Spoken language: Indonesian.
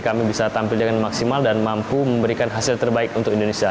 kami bisa tampil dengan maksimal dan mampu memberikan hasil terbaik untuk indonesia